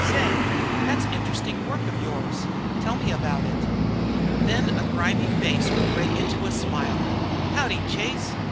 Say! That's interesting work of yours. Tell me about it." Then a grimy face would break into a smile. "Howdy, Chase.